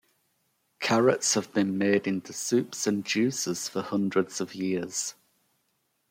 Carrots have been made into soups and juices for hundreds of years.